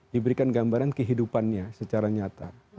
diberikan gambaran kehidupannya secara nyata